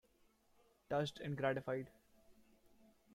Touched and gratified.